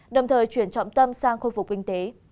đồng thời chuyển trọng tâm sang khôi phục kinh tế